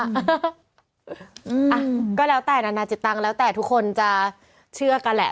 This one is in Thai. อ่ะก็แล้วแต่นานาจิตตังค์แล้วแต่ทุกคนจะเชื่อกันแหละ